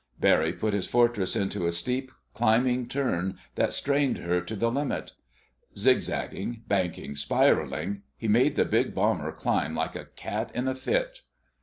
Barry put his Fortress into a steep, climbing turn that strained her to the limit. Zigzagging, banking, spiralling, he made the big bomber climb like a cat in a fit.